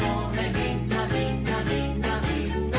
みんなみんなみんなみんな」